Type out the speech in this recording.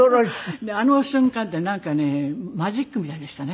あの瞬間ってなんかねマジックみたいでしたね。